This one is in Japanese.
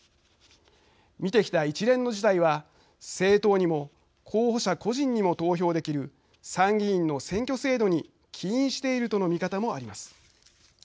見てきた一連の事態は政党にも候補者個人にも投票できる参議院の選挙制度に起因しているとの見方もあります。